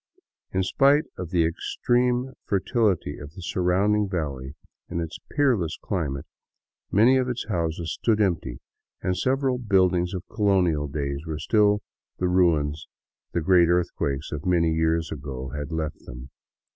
In spite of the extreme fertility of the surrounding valley and its peerless climate, many of its houses stood empty, and several buildings of colonial days were still the ruins the great earthquake of many years ago had left them.